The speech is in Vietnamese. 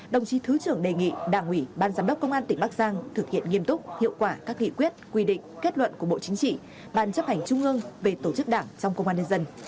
đồng chí thứ trưởng đề nghị đảng ủy ban giám đốc công an tỉnh bắc giang thực hiện nghiêm túc hiệu quả các nghị quyết quy định kết luận của bộ chính trị ban chấp hành trung ương về tổ chức đảng trong công an nhân dân